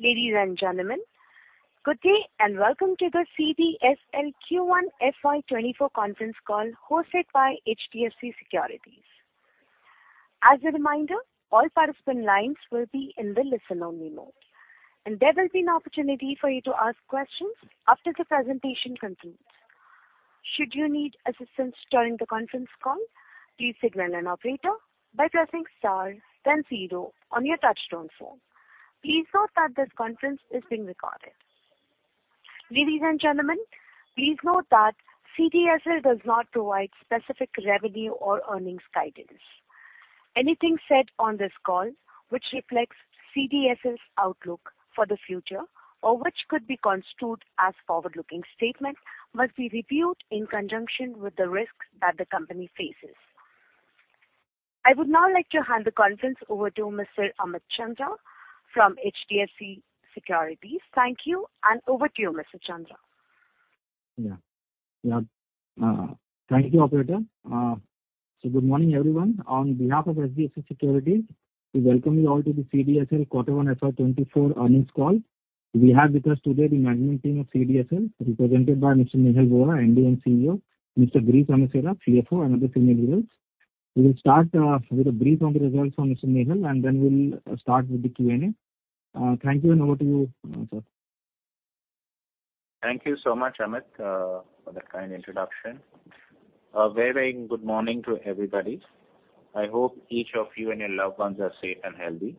Ladies and gentlemen, good day, and welcome to the CDSL Q1 FY24 Conference Call hosted by HDFC Securities. As a reminder, all participant lines will be in the listen-only mode, and there will be an opportunity for you to ask questions after the presentation concludes. Should you need assistance during the conference call, please signal an operator by pressing star then zero on your touch-tone phone. Please note that this conference is being recorded. Ladies and gentlemen, please note that CDSL does not provide specific revenue or earnings guidance. Anything said on this call, which reflects CDSL's outlook for the future, or which could be construed as forward-looking statements, must be reviewed in conjunction with the risks that the company faces. I would now like to hand the conference over to Mr. Amit Chandra from HDFC Securities. Thank you, and over to you, Mr. Chandra. Yeah. Yeah. Thank you, operator. Good morning, everyone. On behalf of HDFC Securities, we welcome you all to the CDSL Quarter One FY24 Earnings Call. We have with us today the management team of CDSL, represented by Mr. Nehal Vora, MD and CEO, Mr. Girish Amesara, CFO, and other senior leaders. We will start with a brief on the results from Mr. Nehal, and then we'll start with the Q&A. Thank you, and over to you, sir. Thank you so much, Amit, for that kind introduction. A very, very good morning to everybody. I hope each of you and your loved ones are safe and healthy.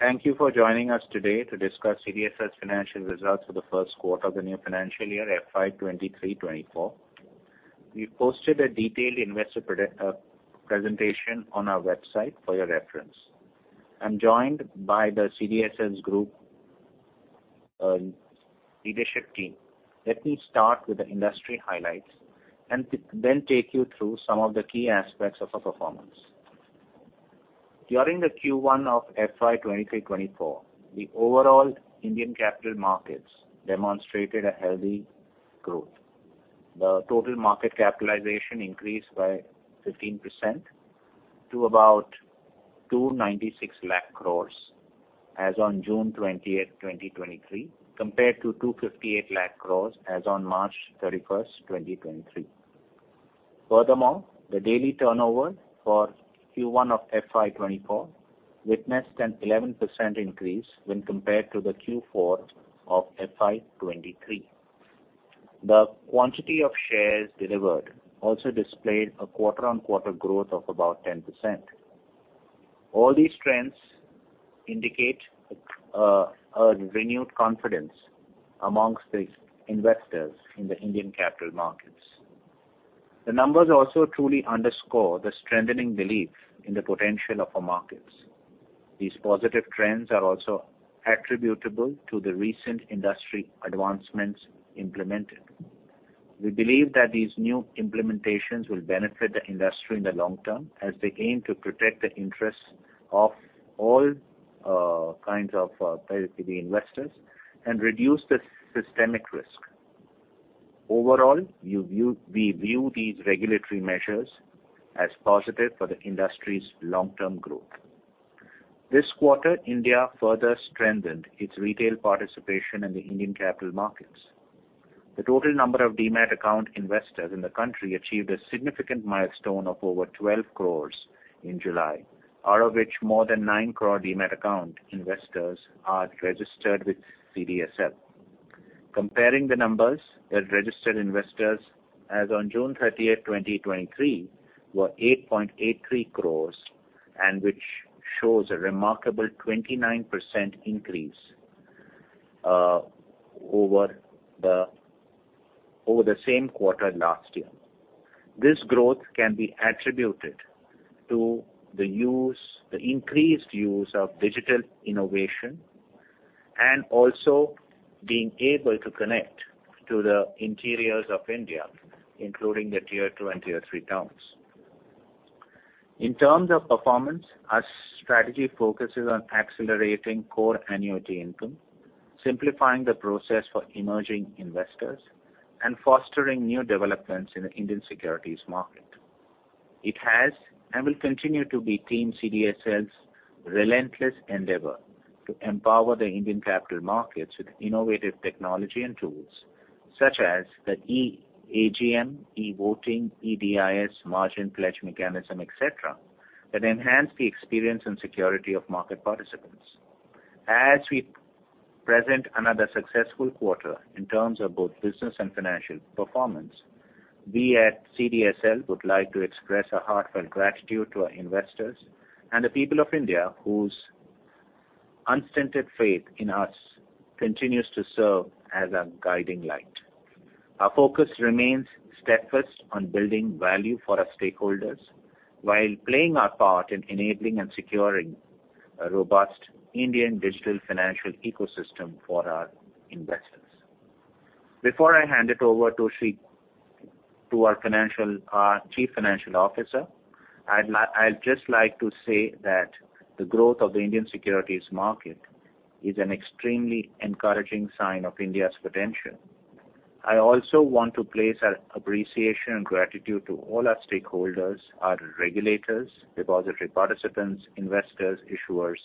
Thank you for joining us today to discuss CDSL's financial results for the first quarter of the new financial year, FY 2023-2024. We posted a detailed investor presentation on our website for your reference. I'm joined by the CDSL's group leadership team. Let me start with the industry highlights and then take you through some of the key aspects of our performance. During the Q1 of FY 2023-2024, the overall Indian capital markets demonstrated a healthy growth. The total market capitalization increased by 15% to about 296 lakh crores as on June 20th, 2023, compared to 258 lakh crores as on March 31st, 2023. Furthermore, the daily turnover for Q1 of FY24 witnessed an 11% increase when compared to the Q4 of FY23. The quantity of shares delivered also displayed a quarter-on-quarter growth of about 10%. All these trends indicate a renewed confidence amongst the investors in the Indian capital markets. The numbers also truly underscore the strengthening belief in the potential of our markets. These positive trends are also attributable to the recent industry advancements implemented. We believe that these new implementations will benefit the industry in the long term, as they aim to protect the interests of all kinds of the investors and reduce the systemic risk. Overall, we view these regulatory measures as positive for the industry's long-term growth. This quarter, India further strengthened its retail participation in the Indian capital markets. The total number of Demat account investors in the country achieved a significant milestone of over 12 crores in July, out of which more than 9 crore Demat account investors are registered with CDSL. Comparing the numbers, the registered investors as on June 30th, 2023, were 8.83 crores, and which shows a remarkable 29% increase, over the, over the same quarter last year. This growth can be attributed to the use, the increased use of digital innovation and also being able to connect to the interiors of India, including the Tier 2 and Tier 3 towns. In terms of performance, our strategy focuses on accelerating core annuity income, simplifying the process for emerging investors, and fostering new developments in the Indian securities market. It has, and will continue to be, Team CDSL's relentless endeavor to empower the Indian capital markets with innovative technology and tools such as the e-AGM, e-voting, e-DIS, Margin Pledge Mechanism, et cetera, that enhance the experience and security of market participants. As we present another successful quarter in terms of both business and financial performance, we at CDSL would like to express our heartfelt gratitude to our investors and the people of India, whose unstinted faith in us continues to serve as our guiding light. Our focus remains steadfast on building value for our stakeholders while playing our part in enabling and securing a robust Indian digital financial ecosystem for our investors. Before I hand it over to Sri, to our financial, Chief Financial Officer, I'd just like to say that the growth of the Indian securities market is an extremely encouraging sign of India's potential.... I also want to place our appreciation and gratitude to all our stakeholders, our regulators, depository participants, investors, issuers,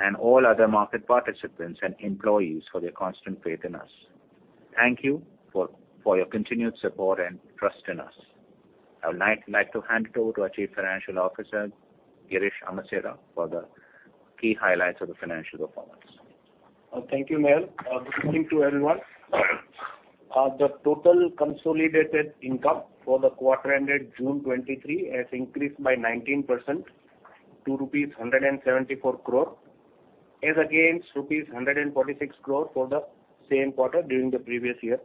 and all other market participants and employees for their constant faith in us. Thank you for your continued support and trust in us. I would like to hand it over to our Chief Financial Officer, Girish Amesara, for the key highlights of the financial performance. Thank you, Nehal Vora. Good evening to everyone. The total consolidated income for the quarter ended June 23 has increased by 19% to rupees 174 crore, as against rupees 146 crore for the same quarter during the previous year.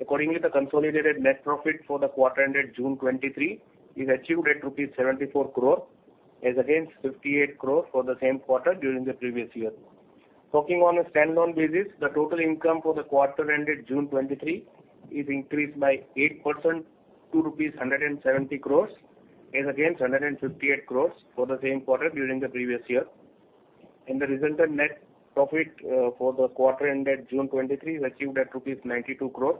Accordingly, the consolidated net profit for the quarter ended June 23 is achieved at rupees 74 crore, as against 58 crore for the same quarter during the previous year. Talking on a stand-alone basis, the total income for the quarter ended June 23 is increased by 8% to rupees 170 crore, as against 158 crore for the same quarter during the previous year. The resultant net profit for the quarter ended June 23 is achieved at rupees 92 crore,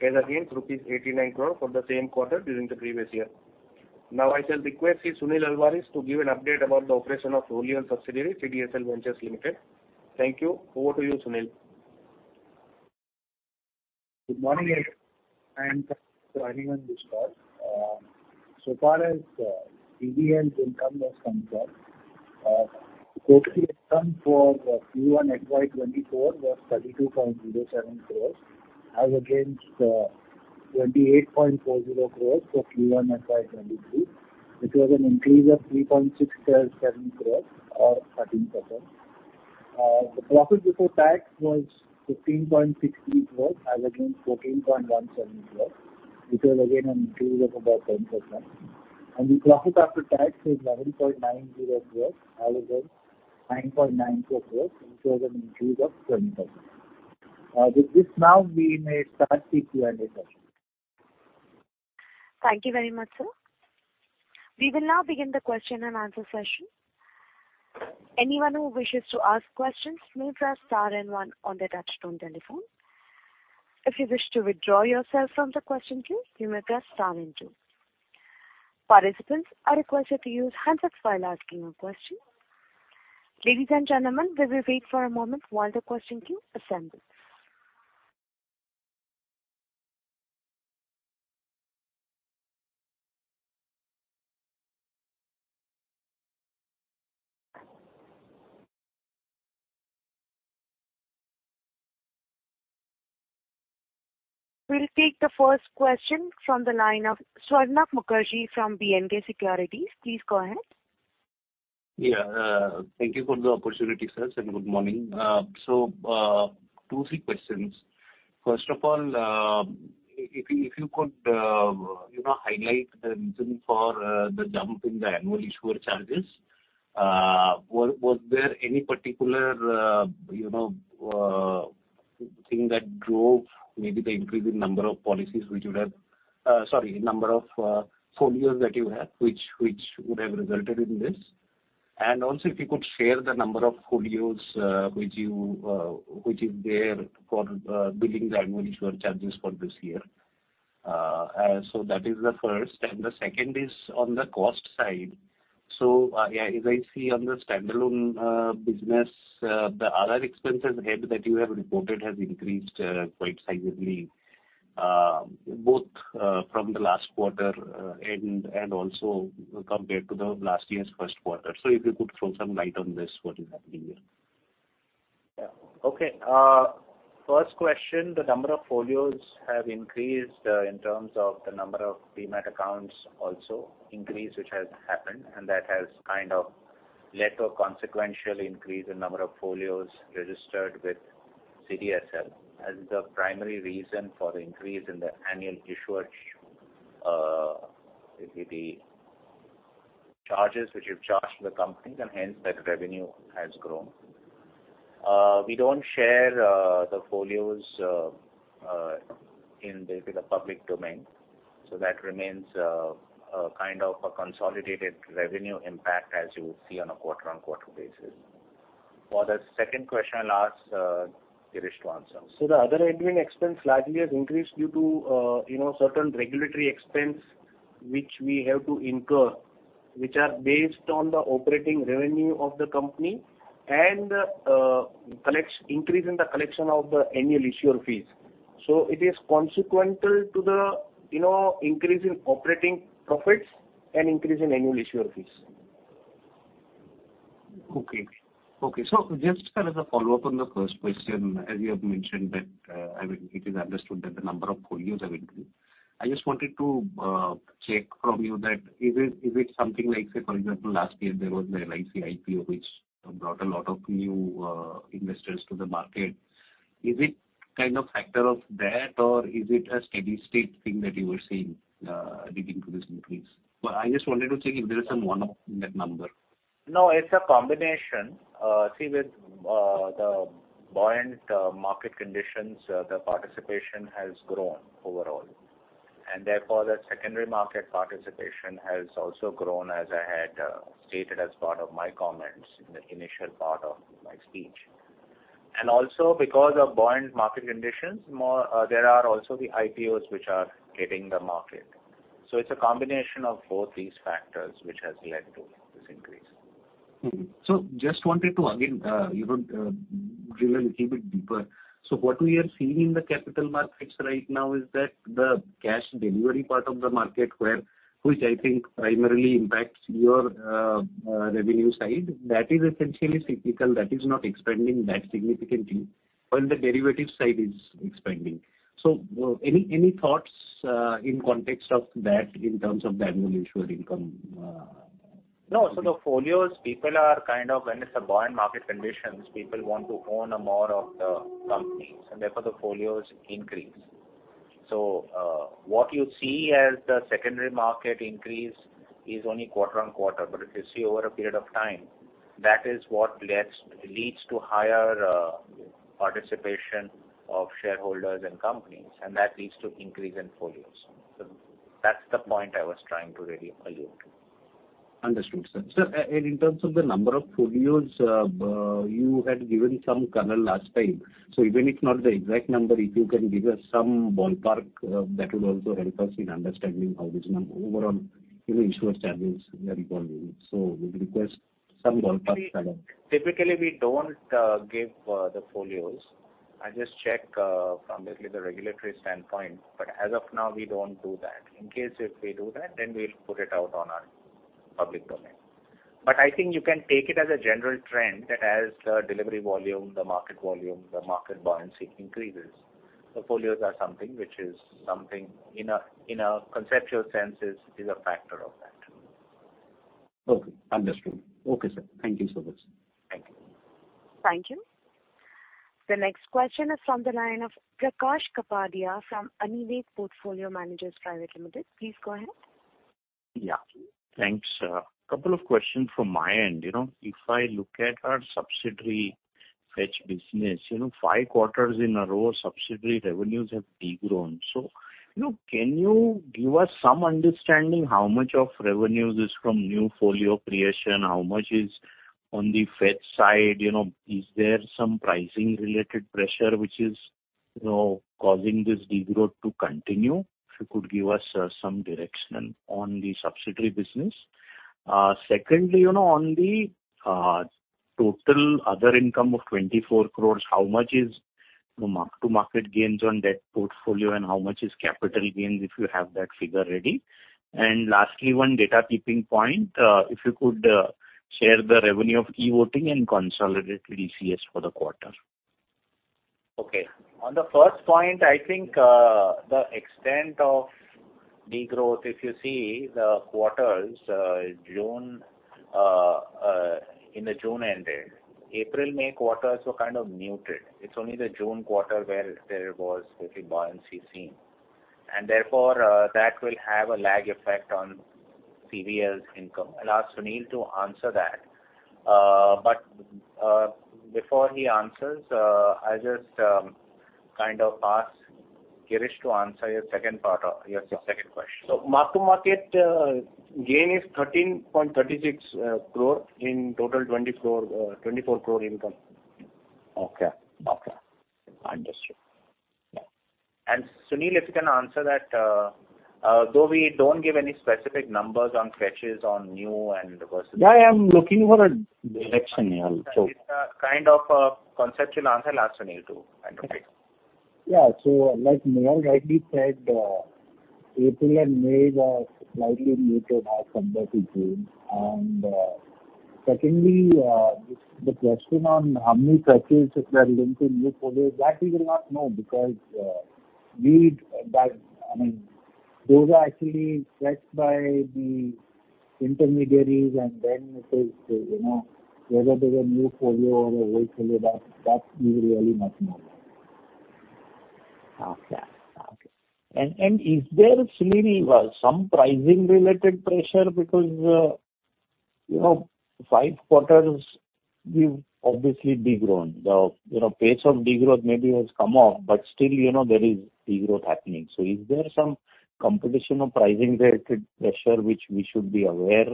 as against rupees 89 crore for the same quarter during the previous year. Now, I shall request Mr. Sunil Alvares to give an update about the operation of wholly-owned subsidiary, CDSL Ventures Limited. Thank you. Over to you, Sunil. Good morning, and to everyone in this call. So far as CDSL's income was concerned, total income for Q1 at FY24 was 32.07 crore, as against 28.40 crore for Q1 at FY23, which was an increase of 3.67 crore or 13%. The profit before tax was 15.60 crore, as against 14.17 crore, which was again an increase of about 10%. The profit after tax is 11.90 crore, as against INR 9.92 crore, which was an increase of 20%. With this now we may start the Q&A session. Thank you very much, sir. We will now begin the question-and-answer session. Anyone who wishes to ask questions may press star one on their touch-tone telephone. If you wish to withdraw yourself from the question queue, you may press star two. Participants are requested to use handsets while asking a question. Ladies and gentlemen, we will wait for a moment while the question queue assembles. We'll take the first question from the line of Swarnabha Mukherjee from B&K Securities. Please go ahead. Yeah, thank you for the opportunity, sirs, and good morning. Two, three questions. First of all, if you, if you could, you know, highlight the reason for the jump in the Annual Issuer Charges. Was, was there any particular, you know, thing that drove maybe the increase in number of policies which would have, sorry, number of folios that you have, which, which would have resulted in this? Also, if you could share the number of folios which you, which is there for billing the Annual Issuer Charges for this year. That is the first, and the second is on the cost side. Yeah, as I see on the standalone, business, the other expenses ahead that you have reported has increased, quite significantly, both, from the last quarter, and, and also compared to the last year's first quarter. If you could throw some light on this, what is happening here? Yeah. Okay. First question, the number of folios have increased, in terms of the number of Demat accounts also increase, which has happened, and that has kind of led to a consequential increase in number of folios registered with CDSL, as the primary reason for the increase in the Annual Issuer Charges which you've charged the company. Hence that revenue has grown. We don't share the folios in the public domain, so that remains a kind of a consolidated revenue impact, as you will see on a quarter-on-quarter basis. For the second question, I'll ask Girish to answer. The other admin expense largely has increased due to, you know, certain regulatory expense which we have to incur, which are based on the operating revenue of the company and collects increase in the collection of the Annual Issuer fees. It is consequential to the, you know, increase in operating profits and increase in Annual Issuer fees. Okay. Okay, just as a follow-up on the first question, as you have mentioned that, I mean, it is understood that the number of folios have increased. I just wanted to check from you that is it, is it something like, say, for example, last year there was the LIC IPO, which brought a lot of new investors to the market. Is it kind of factor of that, or is it a steady state thing that you were seeing leading to this increase? I just wanted to check if there is some one-off in that number. No, it's a combination. See, with the buoyant market conditions, the participation has grown overall. Therefore, the secondary market participation has also grown, as I had stated as part of my comments in the initial part of my speech. Also because of buoyant market conditions, more, there are also the IPOs which are hitting the market. It's a combination of both these factors which has led to this increase. Mm-hmm. Just wanted to again, you know, drill a little bit deeper. What we are seeing in the capital markets right now is that the cash delivery part of the market, which I think primarily impacts your revenue side, that is essentially cyclical, that is not expanding that significantly, while the derivatives side is expanding. Any, any thoughts in context of that, in terms of the Annual Issuer Charges? No, the folios, people are kind of when it's a buoyant market conditions, people want to own a more of the companies, and therefore the folios increase. What you see as the secondary market increase is only quarter-on-quarter, but if you see over a period of time, that is what lets-- leads to higher participation of shareholders and companies, and that leads to increase in folios. That's the point I was trying to really allude to. Understood, sir. Sir, in terms of the number of folios, you had given some color last time, so even if not the exact number, if you can give us some ballpark, that would also help us in understanding how this overall, you know, issuer charges are evolving. We request some ballpark number. Typically, we don't give the folios. I just check from the regulatory standpoint, but as of now, we don't do that. In case if we do that, then we'll put it out on our public domain. I think you can take it as a general trend that as the delivery volume, the market volume, the market buoyancy increases, the folios are something which is something in a, in a conceptual sense, is, is a factor of that. Okay, understood. Okay, sir. Thank you so much. Thank you. Thank you. The next question is from the line of Prakash Kapadia from Anived Portfolio Managers Private Limited. Please go ahead. Yeah. Thanks, sir. A couple of questions from my end. You know, if I look at our subsidiary KYC Fetch business, you know, five quarters in a row, subsidiary revenues have degrown. You know, can you give us some understanding how much of revenues is from new folio creation? How much is on the fetch side? You know, is there some pricing related pressure which is, you know, causing this degrowth to continue? If you could give us some direction on the subsidiary business. Secondly, you know, on the total other income of 24 crore, how much is the mark-to-market gains on debt portfolio and how much is capital gains, if you have that figure ready? Lastly, one data keeping point, if you could share the revenue of e-voting and consolidated e-CAS for the quarter. Okay. On the first point, I think the extent of degrowth, if you see the quarters, June, in the June ended, April, May quarters were kind of muted. It's only the June quarter where there was basically buoyancy seen, and therefore, that will have a lag effect on CVL's income. I'll ask Sunil to answer that. Before he answers, I'll just kind of pass Girish to answer your second part of... Your second question. Mark-to-market, gain is 13.36 crore in total 20 crore, 24 crore income. Okay. Okay. Understood. Sunil, if you can answer that, though we don't give any specific numbers on fetches on new and versus- Yeah, I am looking for a direction here also. It's a kind of a conceptual answer. I'll ask Sunil to clarify. So like Nehal Vora rightly said, April and May were slightly muted as compared to June. Secondly, this, the question on how many fetches were linked to new folio, that we will not know because, we that, I mean, those are actually fetched by the intermediaries and then it is, you know, whether it is a new folio or an old folio, that, that we really not know. Okay. Okay. Is there similarly, well, some pricing related pressure because, you know, five quarters, we've obviously degrown? The, you know, pace of degrowth maybe has come off, but still, you know, there is degrowth happening. Is there some competition or pricing related pressure which we should be aware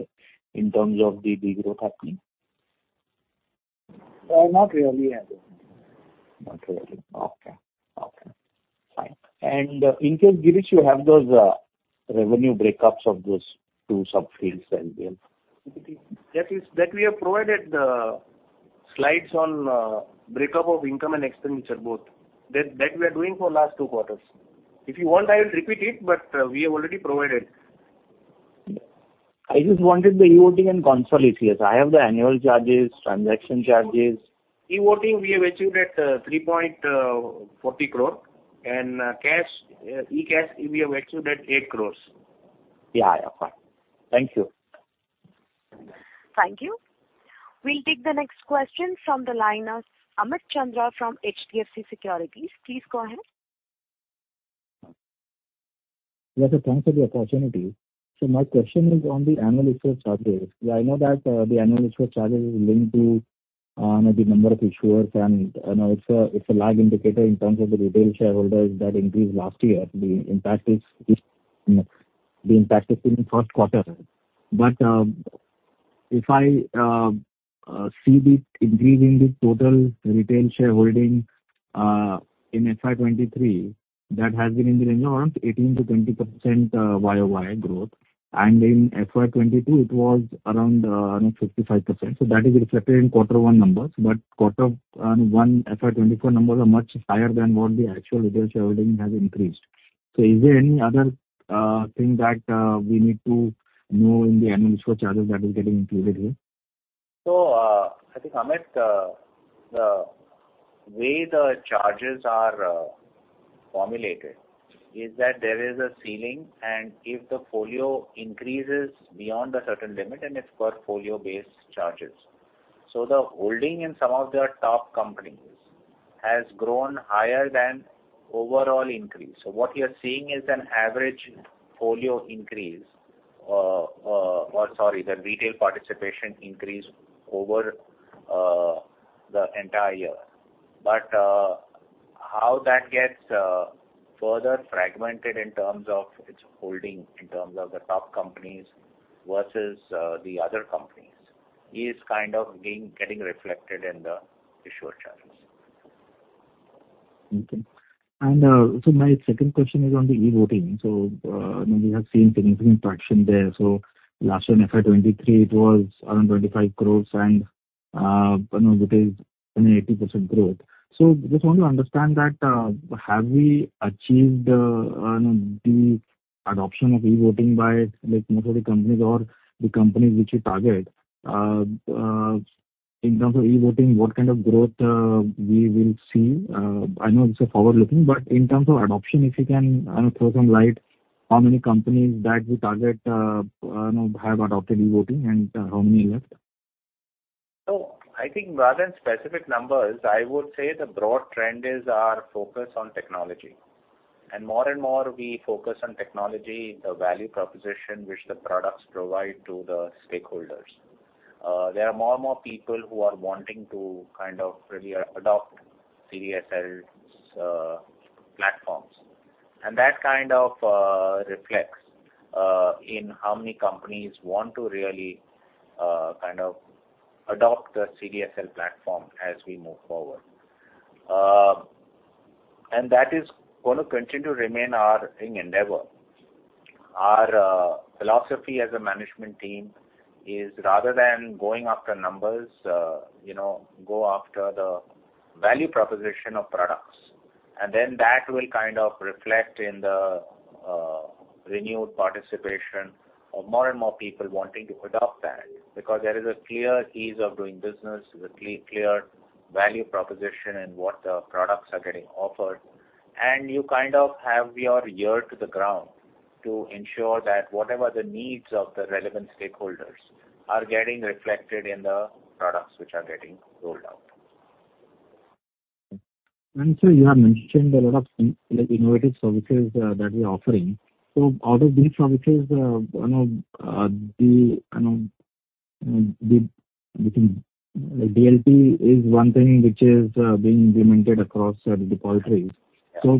in terms of the degrowth happening? Not really, I don't think. Not really. Okay. Okay, fine. In case, Girish, you have those revenue breakups of those two subfields then? That is, we have provided the slides on break up of income and expenditure, both. That we are doing for last two quarters. If you want, I will repeat it. We have already provided. I just wanted the e-voting and e-CAS. I have the annual charges, transaction charges. e-voting, we have achieved at 3.40 crore and, cash, e-CAS, we have achieved at 8 crore. Yeah, yeah, fine. Thank you. Thank you. We'll take the next question from the line of Amit Chandra from HDFC Securities. Please go ahead. Yes, sir, thanks for the opportunity. My question is on the Annual Issuer Charges. I know that the Annual Issuer Charge is linked to the number of issuers and, you know, it's a, it's a lag indicator in terms of the retail shareholders that increased last year. The impact is in the first quarter. If I see the increase in the total retail shareholding in FY23, that has been in the range of around 18%-20% Y-o-Y growth, and in FY22, it was around, you know, 55%. That is reflected in quarter one numbers. Quarter one, FY24 numbers are much higher than what the actual retail shareholding has increased. Is there any other thing that we need to know in the Annual Charges that is getting included here? I think, Amit, the way the charges are formulated is that there is a ceiling, and if the folio increases beyond a certain limit, and it's portfolio-based charges. The holding in some of the top companies has grown higher than overall increase. What you're seeing is an average folio increase, or sorry, the retail participation increase over the entire year. How that gets further fragmented in terms of its holding, in terms of the top companies versus the other companies, is kind of getting reflected in the issuer charges. Okay. My second question is on the e-voting. We have seen significant traction there. Last year in FY23, it was around 25 crore, and, you know, it is an 80% growth. Just want to understand that, have we achieved the, you know, the adoption of e-voting by like most of the companies or the companies which you target? In terms of e-voting, what kind of growth we will see? I know it's a forward-looking, but in terms of adoption, if you can, you know, throw some light, how many companies that we target, you know, have adopted e-voting and how many left? I think rather than specific numbers, I would say the broad trend is our focus on technology. More and more we focus on technology, the value proposition which the products provide to the stakeholders. There are more and more people who are wanting to kind of really adopt CDSL's platforms. That kind of reflects in how many companies want to really kind of adopt the CDSL platform as we move forward. That is gonna continue to remain our thing, endeavor. Our philosophy as a management team is, rather than going after numbers, you know, go after the value proposition of products. That will kind of reflect in the renewed participation of more and more people wanting to adopt that, because there is a clear ease of doing business, the clear value proposition and what the products are getting offered. You kind of have your ear to the ground to ensure that whatever the needs of the relevant stakeholders are getting reflected in the products which are getting rolled out. So you have mentioned a lot of, like, innovative services that you're offering. So out of these services, you know, the, you know, the DLT is one thing which is being implemented across the depositories. So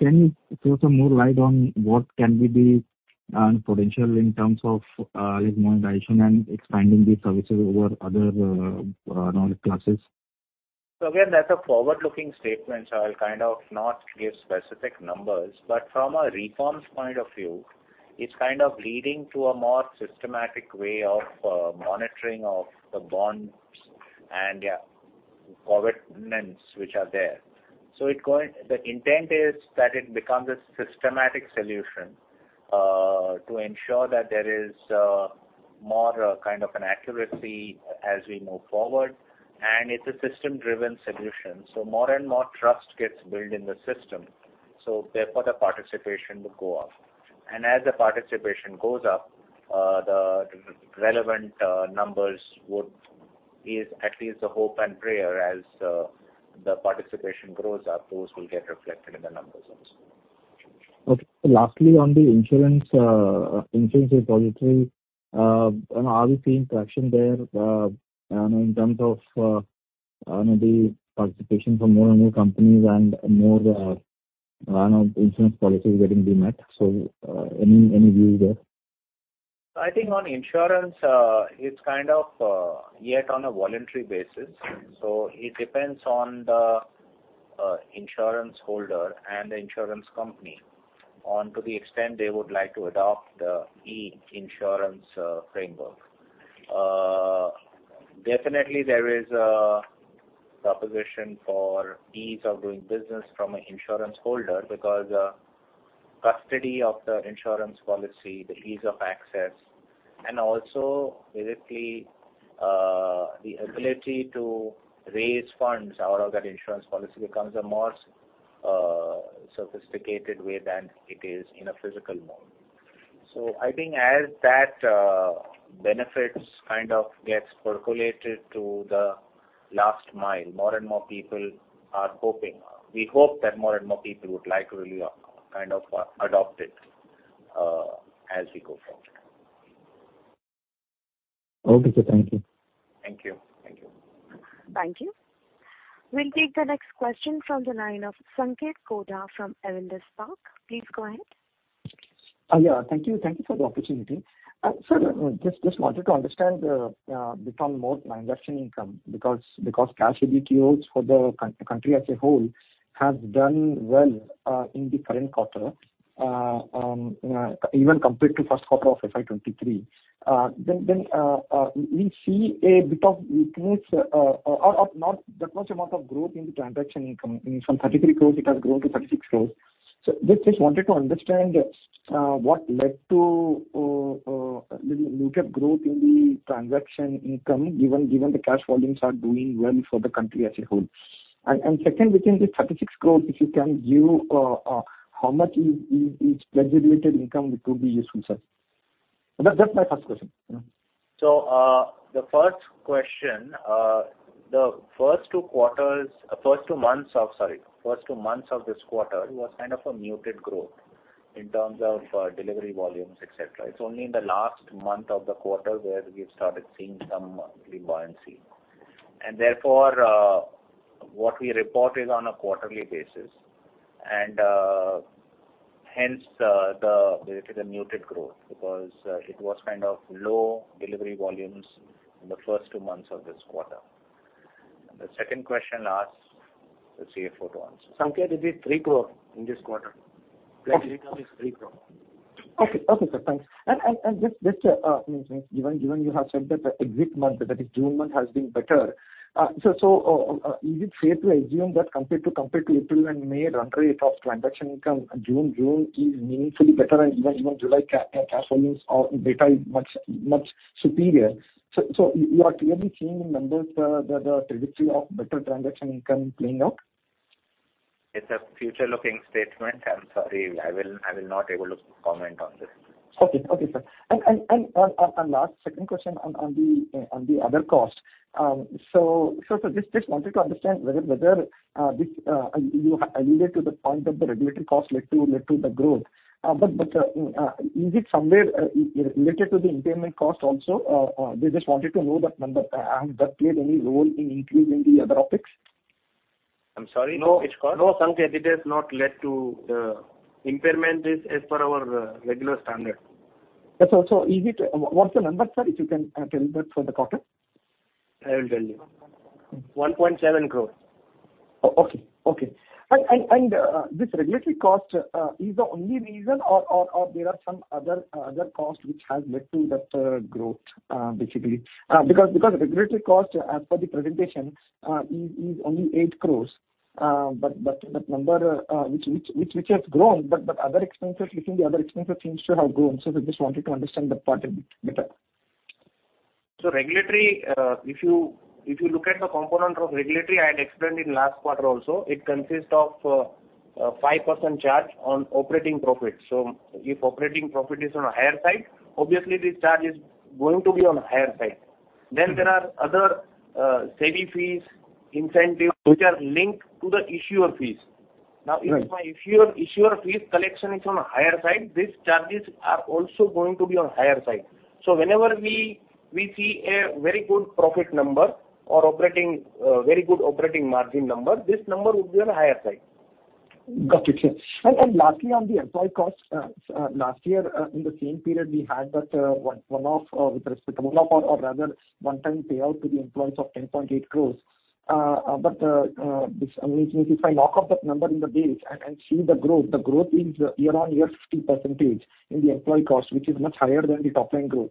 can you throw some more light on what can be the potential in terms of, like, monetization and expanding these services over other known classes? Again, that's a forward-looking statement, so I'll kind of not give specific numbers. From a reforms point of view, it's kind of leading to a more systematic way of monitoring of the bonds and, yeah, covenants which are there. The intent is that it becomes a systematic solution to ensure that there is more kind of an accuracy as we move forward, and it's a system-driven solution. More and more trust gets built in the system, so therefore, the participation will go up. As the participation goes up, the relevant numbers would... Is at least the hope and prayer as the participation grows, those will get reflected in the numbers also. Okay. Lastly, on the insurance, insurance repository, are we seeing traction there, you know, in terms of, you know, the participation from more and more companies and more, you know, insurance policies getting demat? Any, any view there? I think on insurance, it's kind of yet on a voluntary basis. So it depends on the insurance holder and the insurance company on to the extent they would like to adopt the e-Insurance framework. Definitely, there is a proposition for ease of doing business from an insurance holder because custody of the insurance policy, the ease of access, and also basically, the ability to raise funds out of that insurance policy becomes a more sophisticated way than it is in a physical mode. So I think as that benefits kind of gets percolated to the last mile, more and more people are hoping. We hope that more and more people would like to really kind of adopt it as we go forward. Okay, sir. Thank you. Thank you. Thank you. Thank you. We'll take the next question from the line of Sanketh Godha from Avendus Spark. Please go ahead. Yeah, thank you. Thank you for the opportunity. Sir, just wanted to understand a bit on more transaction income, because cash equity turnover for the country as a whole has done well in the current quarter, even compared to first quarter of FY23. Then we see a bit of weakness or not that much amount of growth in the transaction income. From 33 crore, it has grown to 36 crore. Just wanted to understand what led to the muted growth in the transaction income, given the cash volumes are doing well for the country as a whole. Second, within the 36 crore, if you can give how much is regulated income, it will be useful, sir. That's my first question. The first question, the first two months of this quarter was kind of a muted growth in terms of delivery volumes, et cetera. It's only in the last month of the quarter where we've started seeing some resiliency. Therefore, what we report is on a quarterly basis, and hence, the muted growth, because it was kind of low delivery volumes in the first two months of this quarter. The second question asked, the CFO to answer. Sanket, this is 3 crore in this quarter. Revenue is 3 crore. Okay. Okay, sir. Thanks. You have said that the exit month, that is June month, has been better, is it fair to assume that compared to April and May, run rate of transaction income is meaningfully better, and July cash volumes or data is much, much superior? You are clearly seeing in numbers the trajectory of better transaction income playing out? It's a future-looking statement. I'm sorry, I will not able to comment on this. Okay. Okay, sir. Last, second question on the other cost. Just wanted to understand whether this you alluded to the point that the regulatory costs led to the growth. Is it somewhere related to the impairment cost also? We just wanted to know that, number, has that played any role in increasing the other topics? I'm sorry, which cost? No, no, Sanketh, it has not led to impairment. It's as per our regular standard. Yes, What's the number, sir, if you can, tell that for the quarter? I will tell you. 1.7 crore. Oh, okay. Okay. This regulatory cost is the only reason or there are some other costs which has led to that growth basically? Regulatory cost, as per the presentation, is only 8 crore, but that number which has grown, but the other expenses, between the other expenses seems to have grown. We just wanted to understand that part a bit better. Regulatory, if you, if you look at the component of regulatory, I had explained in last quarter also, it consists of 5% charge on operating profits. If operating profit is on a higher side, obviously this charge is going to be on higher side. There are other SEBI fees, incentives, which are linked to the issuer fees. Right. If my issuer, issuer fees collection is on a higher side, these charges are also going to be on higher side. Whenever we, we see a very good profit number or operating, very good operating margin number, this number would be on the higher side. Got it, yes. Lastly, on the employee costs, last year, in the same period, we had that one-off with respect to one-off or rather one-time payout to the employees of 10.8 crore. This, I mean, if I knock off that number in the base and see the growth, the growth is year-on-year 50% in the employee cost, which is much higher than the top line growth.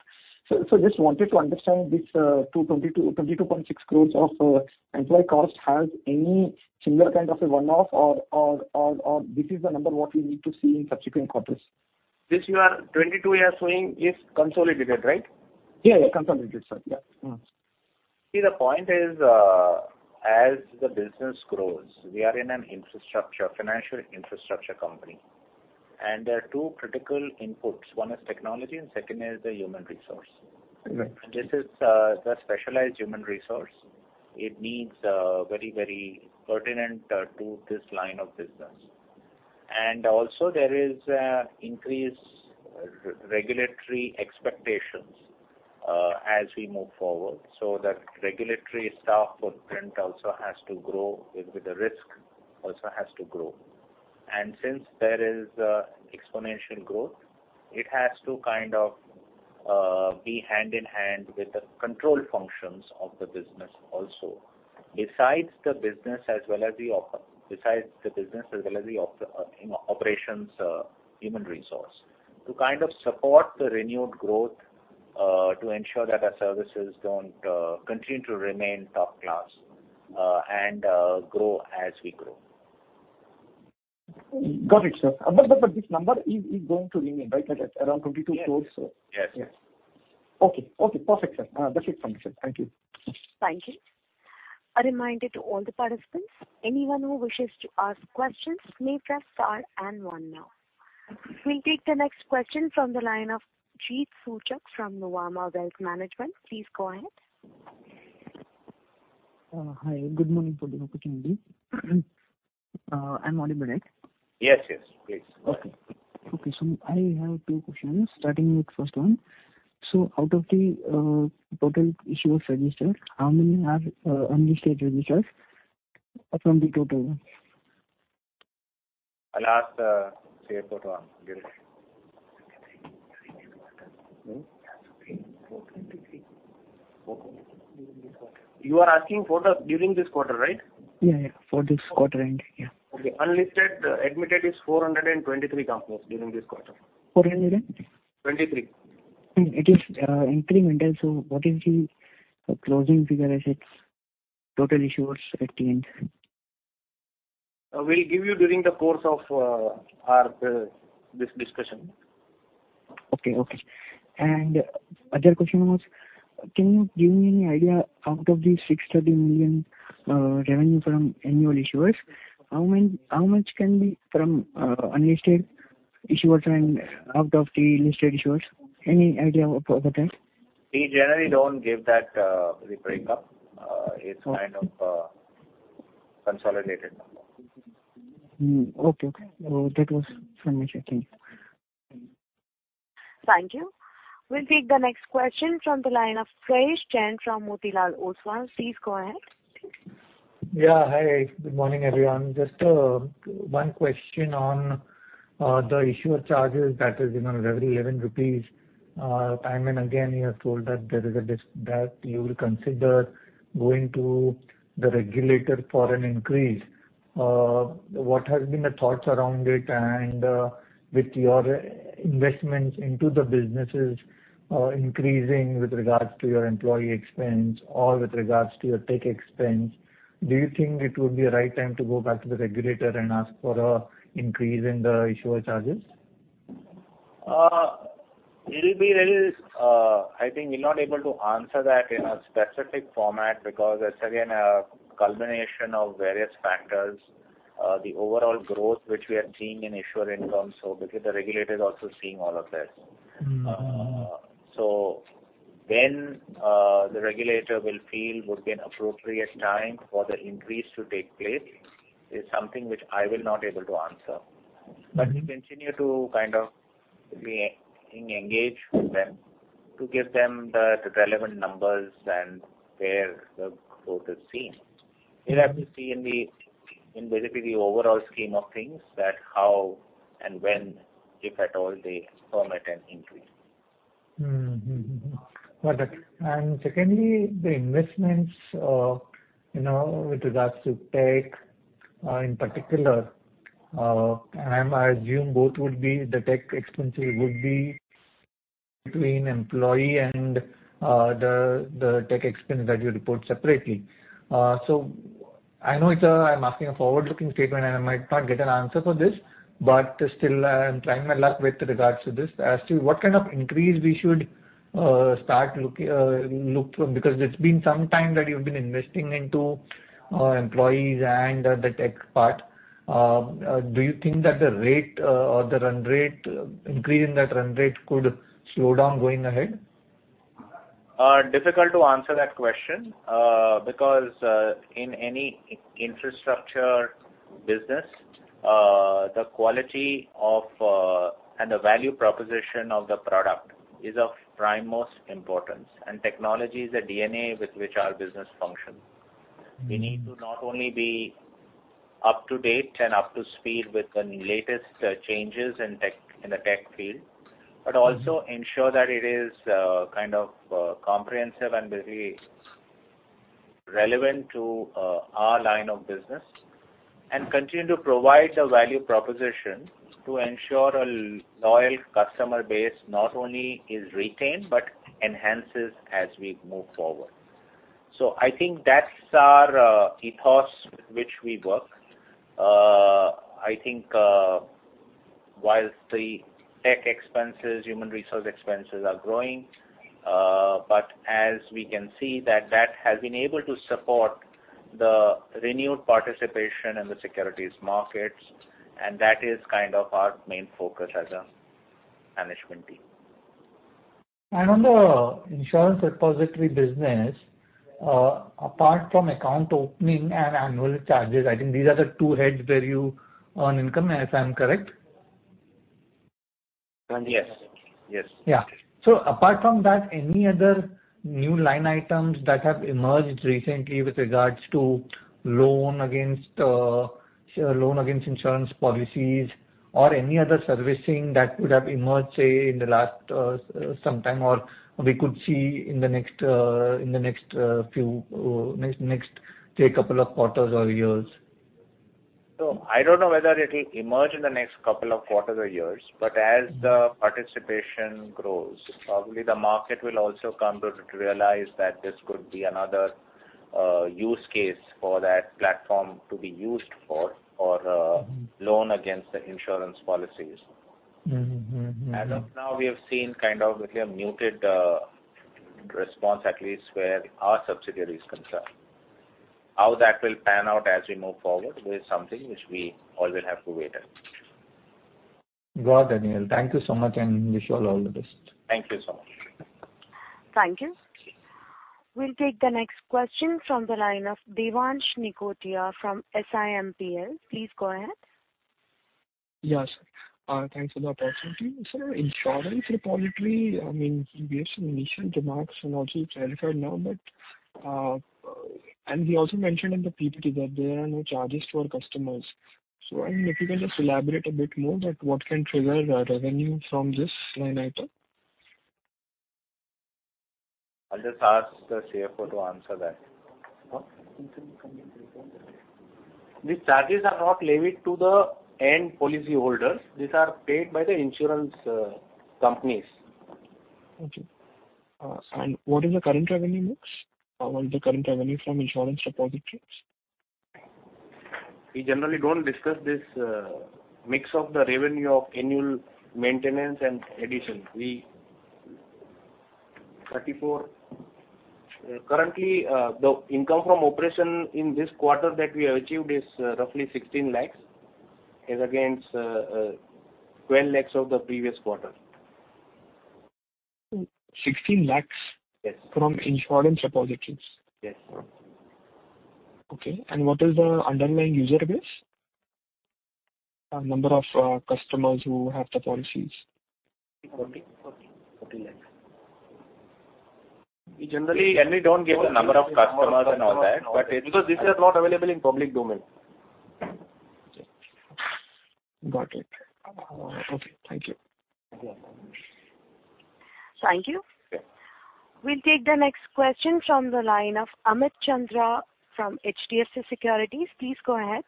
Just wanted to understand this 22.6 crore of employee cost, has any similar kind of a one-off or this is the number what we need to see in subsequent quarters? This year, 2022 we are showing is consolidated, right? Yeah, yeah, consolidated, sir. Yeah. Mm. See, the point is, as the business grows, we are in an infrastructure, financial infrastructure company, and there are 2 critical inputs. One is technology, and second is the human resource. Right. This is the specialized human resource. It needs very, very pertinent to this line of business. Also there is increased regulatory expectations as we move forward, so that regulatory staff footprint also has to grow with the risk, also has to grow. Since there is exponential growth, it has to kind of be hand in hand with the control functions of the business also. Besides the business as well as the op, you know, operations human resource, to kind of support the renewed growth, to ensure that our services don't continue to remain top class and grow as we grow. Got it, sir. But this number is going to remain, right? At around 22 crore. Yes. Yes. Okay. Okay, perfect, sir. That's it from me, sir. Thank you. Thank you. A reminder to all the participants, anyone who wishes to ask questions may press star and one now. We'll take the next question from the line of Jeet Suchak from Nuvama Wealth Management. Please go ahead. hi, good morning for this opportunity. I'm Adi Barak. Yes, yes, please. Okay. Okay, I have two questions, starting with first one. Out of the total issuers registered, how many have unlisted registers from the total? I'll ask, CFO for to answer this. 423. Okay. During this quarter. You are asking for the during this quarter, right? Yeah, yeah, for this quarter, end, yeah. Okay. Unlisted, admitted is 423 companies during this quarter. 400 and? Twenty-three. It is incremental. What is the closing figure as it's total issuers at the end? We'll give you during the course of our this discussion. Okay, okay. Other question was, can you give me any idea, out of the 630 million revenue from annual issuers, how much can be from unlisted issuers and out of the listed issuers? Any idea about that? We generally don't give that, the breakup. Okay. -kind of, consolidated number. Mm. Okay, okay. That was from me. Thank you. Thank you. We'll take the next question from the line of Prayesh Jain from Motilal Oswal. Please go ahead. Yeah, hi, good morning, everyone. Just one question on the issuer charges, that is, you know, every 11 rupees. Time and again, you have told that there is that you will consider going to the regulator for an increase. What has been the thoughts around it? With your investments into the businesses increasing with regards to your employee expense or with regards to your tech expense, do you think it would be the right time to go back to the regulator and ask for an increase in the issuer charges? It'll be little, I think we're not able to answer that in a specific format because it's, again, a culmination of various factors. The overall growth which we are seeing in issuer income, because the regulator is also seeing all of this. Mm-hmm. The regulator will feel would be an appropriate time for the increase to take place, is something which I will not able to answer. We continue to being engaged with them to give them the relevant numbers and where the growth is seen. You'll have to see in the, in basically the overall scheme of things, that how and when, if at all, they permit an increase. Mm-hmm. Got it. Secondly, the investments, you know, with regards to tech, in particular, and I assume both would be the tech expenses would be between employee and, the, the tech expense that you report separately. I know it's a, I'm asking a forward-looking statement, and I might not get an answer for this, but still, I'm trying my luck with regards to this. As to what kind of increase we should, start look, look from, because it's been some time that you've been investing into, employees and the tech part. Do you think that the rate, or the run rate, increase in that run rate could slow down going ahead? Difficult to answer that question, because in any in-infrastructure business, the quality of, and the value proposition of the product is of prime most importance, and technology is the DNA with which our business functions. Mm-hmm. We need to not only be up-to-date and up to speed with the latest changes in tech, in the tech field, but also ensure that it is kind of comprehensive and very relevant to our line of business, and continue to provide a value proposition to ensure a loyal customer base not only is retained, but enhances as we move forward. I think that's our ethos, which we work. I think, whilst the tech expenses, human resource expenses are growing, but as we can see that that has been able to support the renewed participation in the securities markets, and that is kind of our main focus as a management team. On the insurance repository business, apart from account opening and annual charges, I think these are the two heads where you earn income, if I'm correct? Yes, yes. Yeah. Apart from that, any other new line items that have emerged recently with regards to loan against loan against insurance policies or any other servicing that would have emerged, say, in the last some time, or we could see in the next few next, say, two quarters or years? I don't know whether it'll emerge in the next couple of quarters or years, but as the participation grows, probably the market will also come to, to realize that this could be another use case for that platform to be used for, for loan against the insurance policies. Mm-hmm. Mm-hmm. As of now, we have seen kind of a muted response, at least where our subsidiary is concerned. How that will pan out as we move forward is something which we all will have to wait and see. Go ahead, Daniel. Thank you so much. Wish you all, all the best. Thank you so much. Thank you. We'll take the next question from the line of Devansh Nikotia from SIMPL. Please go ahead. Yes, sir. Thanks for the opportunity. Sir, insurance repository, I mean, you gave some initial remarks and also clarified now, but, and we also mentioned in the PPT that there are no charges to our customers. I mean, if you can just elaborate a bit more that what can trigger the revenue from this line item? I'll just ask the CFO to answer that. The charges are not levied to the end policyholders. These are paid by the insurance companies. Okay. What is the current revenue mix, or the current revenue from insurance repositories? We generally don't discuss this mix of the revenue of annual maintenance and addition. 34. Currently, the income from operation in this quarter that we have achieved is roughly 16 lakhs, is against 12 lakhs of the previous quarter. 16 lakhs. Yes. from insurance repositories? Yes, sir. Okay. What is the underlying user base? Number of customers who have the policies. INR 40 lakh, INR 40 lakh, INR 40 lakh. We generally, and we don't give the number of customers and all that, but because this is not available in public domain. Got it. Okay, thank you. Thank you. Yeah. We'll take the next question from the line of Amit Chandra from HDFC Securities. Please go ahead.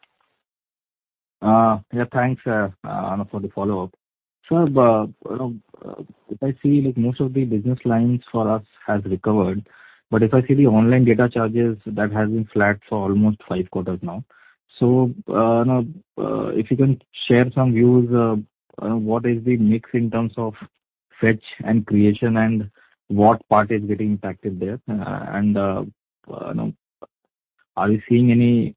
Yeah, thanks for the follow-up. Sir, if I see, like, most of the business lines for us has recovered, but if I see the Online Data Charges, that has been flat for almost five quarters now. Now, if you can share some views, what is the mix in terms of fetch and creation, and what part is getting impacted there? You know, are you seeing any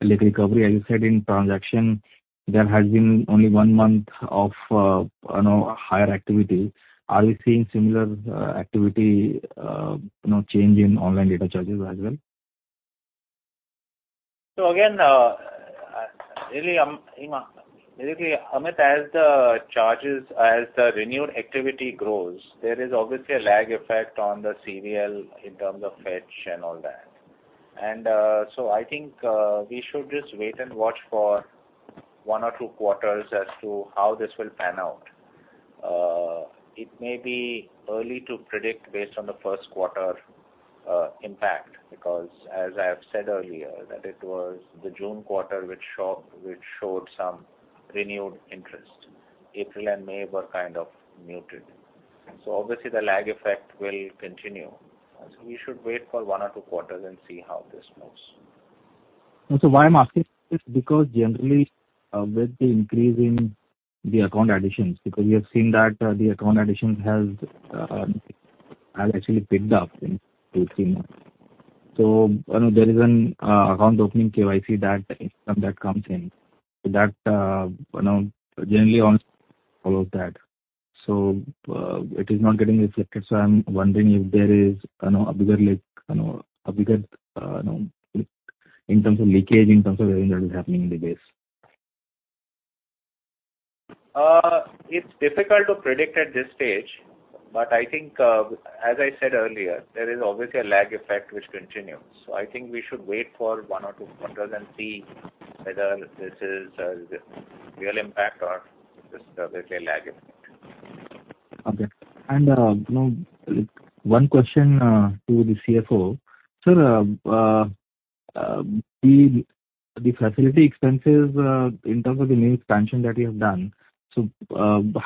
late recovery, as you said, in transaction, there has been only one month of, you know, higher activity. Are we seeing similar activity, you know, change in Online Data Charges as well? Again, really, basically, Amit, as the charges, as the renewed activity grows, there is obviously a lag effect on the CDSL in terms of fetch and all that. I think we should just wait and watch for one or two quarters as to how this will pan out. It may be early to predict based on the 1st quarter impact, because as I have said earlier, that it was the June quarter which showed some renewed interest. April and May were kind of muted. Obviously, the lag effect will continue. We should wait for one or two quarters and see how this goes. Why I'm asking this, because generally, with the increase in the account additions, because we have seen that the account additions has actually picked up in Q3 now. I know there is an account opening KYC that some that comes in. That, you know, generally follows that. It is not getting reflected. I'm wondering if there is, you know, a bigger like, you know, a bigger, you know, in terms of leakage, in terms of anything that is happening in the base. It's difficult to predict at this stage, but I think, as I said earlier, there is obviously a lag effect which continues. I think we should wait for one or two quarters and see whether this is a real impact or just obviously a lag effect. Okay. You know, one question to the CFO. Sir, the, the facility expenses, in terms of the new expansion that you have done, so,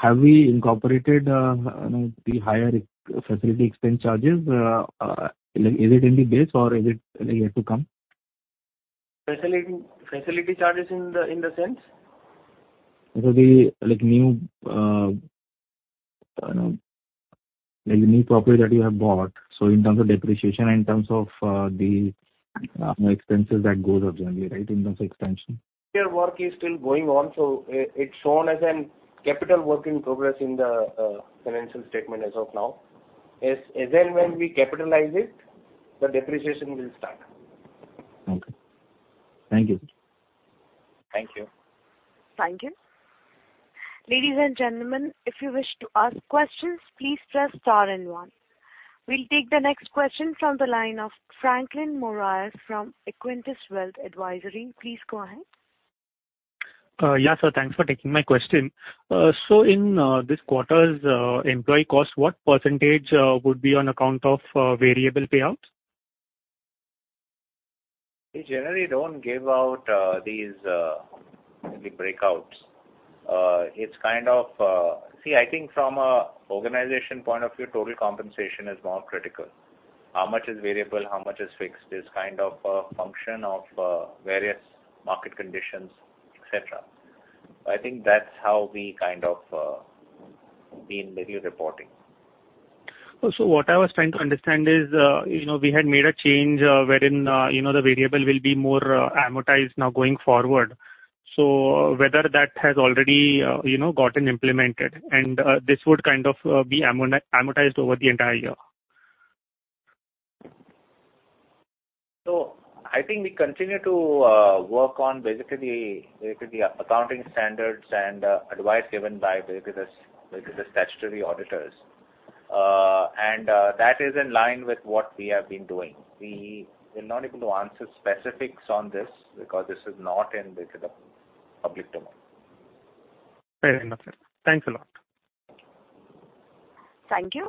have we incorporated, you know, the higher facility expense charges? Is it in the base or is it yet to come? Facility, facility charges in the, in the sense? It will be like new, you know, like new property that you have bought. In terms of depreciation and in terms of, the, expenses that goes out generally, right, in terms of expansion. Their work is still going on, so it's shown as an capital work in progress in the financial statement as of now. As, as and when we capitalize it, the depreciation will start. Okay. Thank you. Thank you. Thank you. Ladies and gentlemen, if you wish to ask questions, please press star and one. We'll take the next question from the line of Franklin Moraes from Equentis Wealth Advisory. Please go ahead. Yeah, sir. Thanks for taking my question. In this quarter's employee cost, what percentage would be on account of variable payouts? We generally don't give out these the breakouts. It's kind of. See, I think from a organization point of view, total compensation is more critical. How much is variable, how much is fixed, is kind of a function of various market conditions, et cetera. I think that's how we kind of been very reporting. What I was trying to understand is, you know, we had made a change, wherein, you know, the variable will be more, amortized now going forward. Whether that has already, you know, gotten implemented, and, this would kind of, be amortized over the entire year? I think we continue to work on basically, basically accounting standards and advice given by basically the, basically the statutory auditors. That is in line with what we have been doing. We will not able to answer specifics on this because this is not in basically public domain. Fair enough, sir. Thanks a lot. Thank you.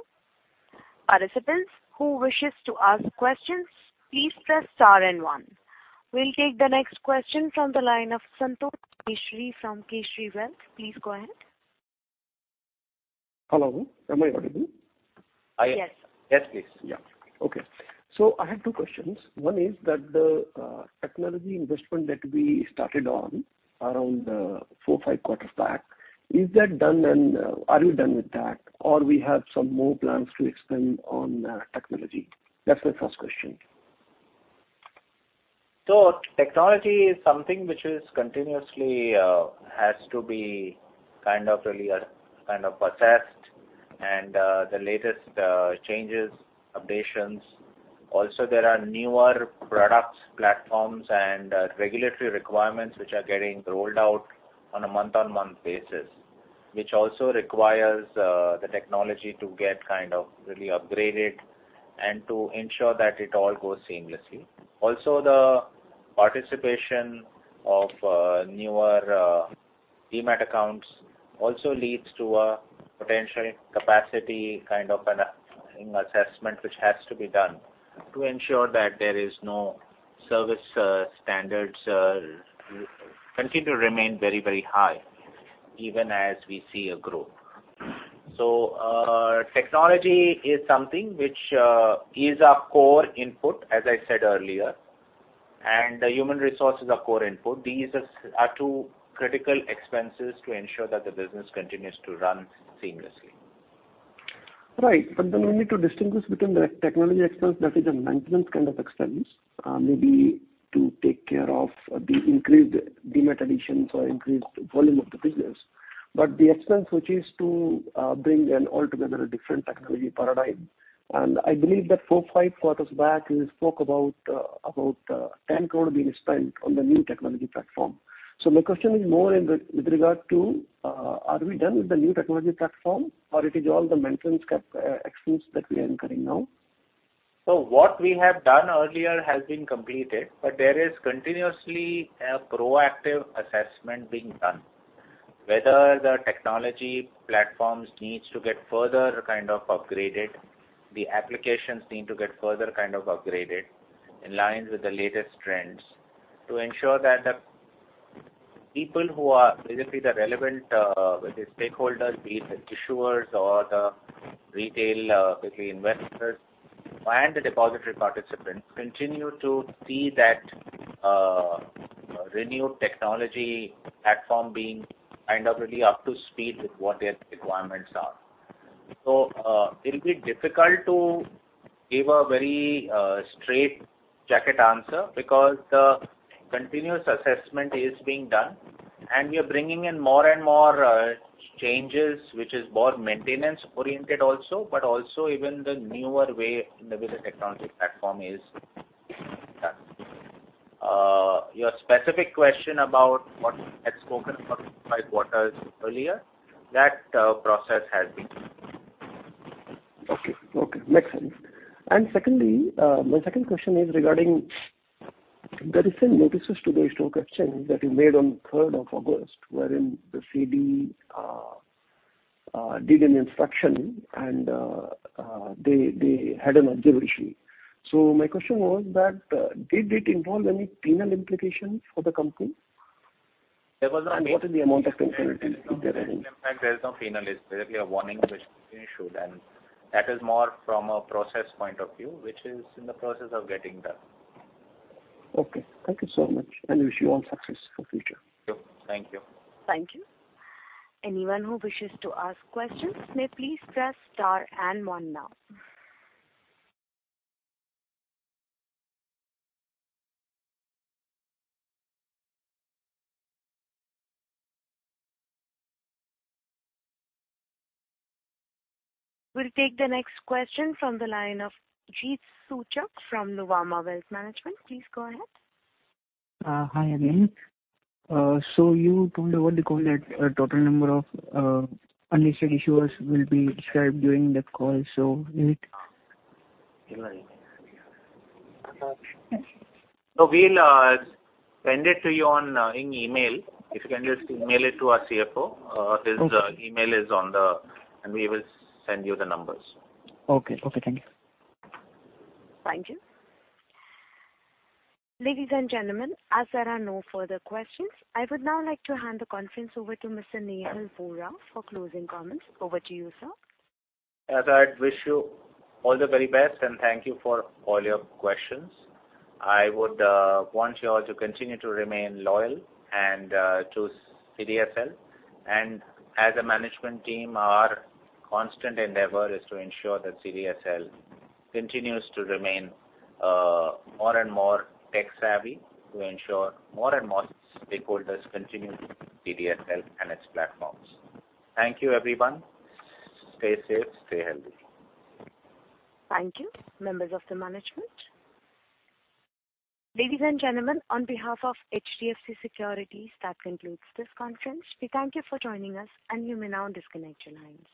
Participants, who wishes to ask questions, please press star and one. We'll take the next question from the line of Santosh Kataria from Keshri Wealth. Please go ahead. Hello, am I audible? Yes. Yes. Yes, please. Yeah. Okay. I have two questions. One is that the technology investment that we started on around four, five quarters back, is that done and are you done with that, or we have some more plans to expand on technology? That's my first question. Technology is something which is continuously has to be kind of really kind of assessed and the latest changes, updates. Also, there are newer products, platforms, and regulatory requirements which are getting rolled out on a month-on-month basis, which also requires the technology to get kind of really upgraded and to ensure that it all goes seamlessly. Also, the participation of newer Demat accounts also leads to a potential capacity, kind of an assessment, which has to be done to ensure that there is no service standards continue to remain very, very high even as we see a growth. Technology is something which is our core input, as I said earlier, and the human resource is our core input. These are, are two critical expenses to ensure that the business continues to run seamlessly. Right. Then we need to distinguish between the technology expense that is a maintenance kind of expense, maybe to take care of the increased Demat additions or increased volume of the business. The expense, which is to bring an altogether different technology paradigm, and I believe that four, five quarters back, you spoke about, about 10 crore being spent on the new technology platform. My question is more in with, with regard to, are we done with the new technology platform or it is all the maintenance cap, expense that we are incurring now? What we have done earlier has been completed, but there is continuously a proactive assessment being done, whether the technology platforms needs to get further kind of upgraded, the applications need to get further kind of upgraded in line with the latest trends to ensure that the people who are basically the relevant, the stakeholders, be it the issuers or the retail, basically investors and the depository participants, continue to see that, renewed technology platform being kind of really up to speed with what their requirements are. It'll be difficult to give a very, straightjacket answer because the continuous assessment is being done, and we are bringing in more and more, changes, which is more maintenance-oriented also, but also even the newer way in the basic technology platform is done. Your specific question about what had spoken for five quarters earlier, that process has been... Okay. Okay, makes sense. secondly, my second question is regarding the recent notices to the stock exchange that you made on 3rd of August, wherein the SEBI did an instruction and they had an observation. My question was that, did it involve any penal implications for the company? There was. What is the amount of penalty, if there is any? In fact, there is no penal, it's basically a warning which we issued, and that is more from a process point of view, which is in the process of getting done. Okay, thank you so much, and wish you all success for future. Thank you. Thank you. Anyone who wishes to ask questions may please press star and one now. We'll take the next question from the line of Jeet Suchak from Nuvama Wealth Management. Please go ahead. Hi again. You told me over the call that a total number of unlisted issuers will be described during the call, so is it? We'll send it to you in email. If you can just email it to our CFO. Okay. his, email is on the... And we will send you the numbers. Okay. Okay, thank you. Thank you. Ladies and gentlemen, as there are no further questions, I would now like to hand the conference over to Mr. Nehal Vora for closing comments. Over to you, sir. As I wish you all the very best, and thank you for all your questions. I would, want you all to continue to remain loyal and, to CDSL. As a management team, our constant endeavor is to ensure that CDSL continues to remain, more and more tech-savvy, to ensure more and more stakeholders continue CDSL and its platforms. Thank you, everyone. Stay safe, stay healthy. Thank you, members of the management. Ladies and gentlemen, on behalf of HDFC Securities, that concludes this conference. We thank you for joining us. You may now disconnect your lines.